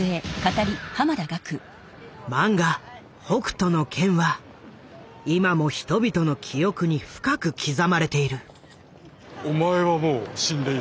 漫画「北斗の拳」は今も人々の記憶に深く刻まれている。